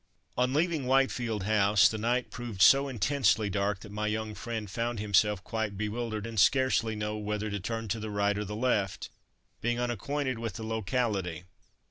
On leaving Whitefield House the night proved so intensely dark that my young friend found himself quite bewildered, and scarcely know whether to turn to the right or the left, being unacquainted with the locality.